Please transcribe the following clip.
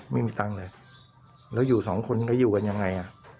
ไม่มีเงินเหลือไว้แล้วอยู่๒คนก็อยู่กันยังไง